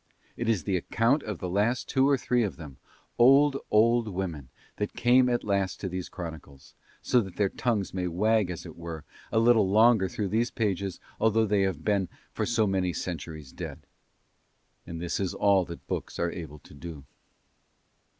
It is the account of the last two or three of them, old, old women, that came at last to these chronicles, so that their tongues may wag as it were a little longer through these pages although they have been for so many centuries dead. And this is all that books are able to do.